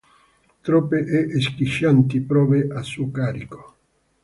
Troppe e schiaccianti prove a suo carico.